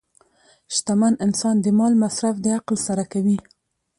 شتمن انسان د مال مصرف د عقل سره کوي.